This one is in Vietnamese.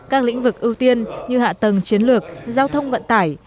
các lĩnh vực ưu tiên như hạ tầng chiến lược giao thông vận tải